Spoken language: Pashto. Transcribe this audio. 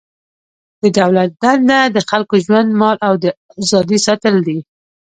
د دولت دنده د خلکو ژوند، مال او ازادي ساتل دي.